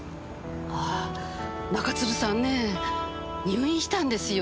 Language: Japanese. ああ中津留さんね入院したんですよ